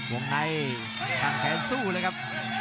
วงในตั้งแขนสู้เลยครับ